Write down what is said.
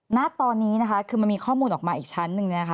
หน้าตอนนี้คือมีข้อมูลออกมาอีกชั้นหนึ่ง